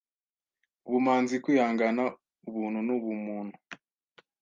ubumanzi, kwihangana, ubuntu n’ubumuntu